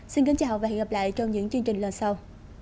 xin kính chào và hẹn gặp lại trong những chương trình lần sau